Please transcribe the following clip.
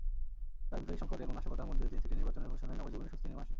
রাজনৈতিক সংকট এবং নাশকতার মধ্যে তিন সিটির নির্বাচনের ঘোষণায় নগরজীবনে স্বস্তি নেমে আসে।